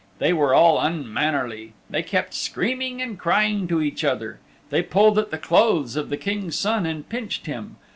They were all unmannerly. They kept screaming and crying to each other; they pulled at the clothes of the King's Son and pinched him.